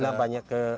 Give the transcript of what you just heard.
lebih banyaknya ke